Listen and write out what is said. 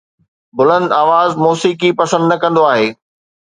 بلند آواز موسيقي پسند نه ڪندو آھي